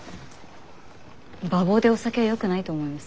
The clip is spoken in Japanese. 馬房でお酒はよくないと思います。